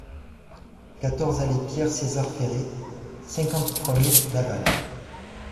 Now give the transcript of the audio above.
quatorze allée Pierre César Ferret, cinquante-trois mille Laval